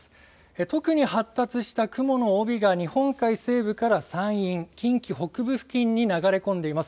特に発達した雲の帯が日本海西部から山陰、近畿北部付近に流れ込んでいます。